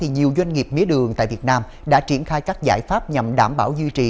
nhiều doanh nghiệp mía đường tại việt nam đã triển khai các giải pháp nhằm đảm bảo duy trì